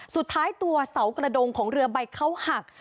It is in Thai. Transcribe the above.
สุดท้ายตัวเสากระดงของเรือใบเขาหัก